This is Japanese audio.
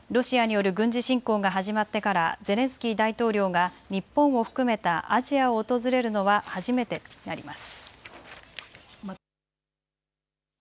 ロシアによる軍事侵攻が始まってからゼレンスキー大統領が日本を含めたアジアを訪れるのは初めてになります。